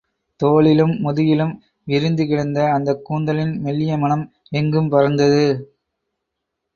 தோளிலும், முதுகிலும் விரிந்து கிடந்த அந்தக் கூந்தலின் மெல்லியமணம் எங்கும் பறந்தது.